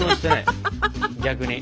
逆に。